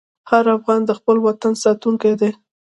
هر افغان د خپل وطن ساتونکی دی.